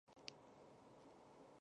塑料垃圾已经飘至每一个海洋。